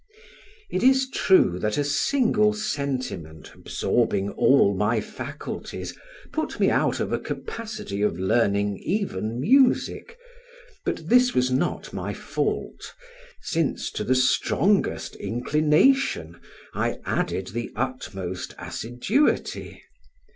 It is true that a single sentiment, absorbing all my faculties, put me out of a capacity of learning even music: but this was not my fault, since to the strongest inclination, I added the utmost assiduity.